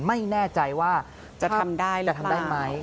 ไม่แน่ใจว่าจะทำได้หรือเปล่า